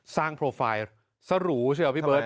สร้างโปรไฟล์สรูใช่ปะพี่เบิร์ต